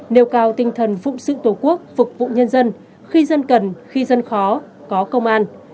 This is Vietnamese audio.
nêu cao tinh thần phụng sự tổ quốc phục vụ nhân dân khi dân cần khi dân khó có công an